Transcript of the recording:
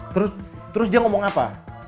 terus dia ngomong apa